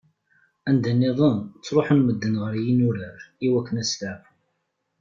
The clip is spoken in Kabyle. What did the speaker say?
Anda-nniḍen ttruḥun medden ɣer yinurar i wakken ad steɛfun.